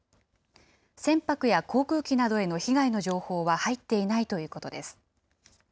船舶や航空機などへの被害の情報は入っていないということです。